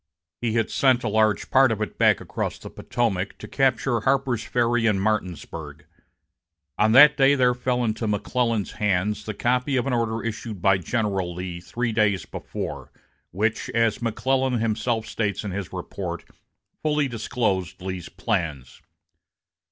He had sent a large part of it back across the Potomac to capture Harper's Ferry and Martinsburg. On that day there fell into McClellan's hands the copy of an order issued by General Lee three days before, which, as McClellan himself states in his report, fully disclosed Lee's plans.